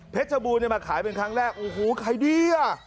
ชบูรณมาขายเป็นครั้งแรกโอ้โหขายดีอ่ะ